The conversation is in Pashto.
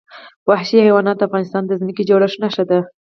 وحشي حیوانات د افغانستان د ځمکې د جوړښت نښه ده.